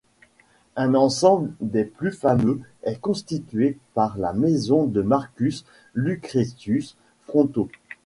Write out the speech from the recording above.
Un ensemble des plus fameux est constitué par la Maison de Marcus Lucretius Fronto.